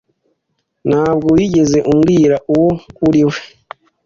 Ntabwo wigeze umbwira uwo uriwe.